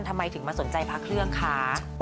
ทำไมถึงมาสนใจพระเครื่องคะ